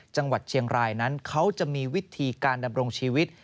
จังหวัดเชียงรายนั้นเขาจะมีวิธีการดำรงชีวิต